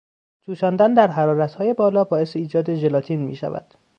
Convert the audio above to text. جوشاندن در حرارتهای بالا باعث ایجاد ژلاتین میشود.